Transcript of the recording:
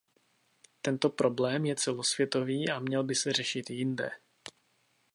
Tento problém je celosvětový a měl by se řešit jinde.